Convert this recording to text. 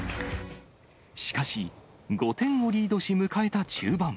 しかし、５点をリードし、迎えた中盤。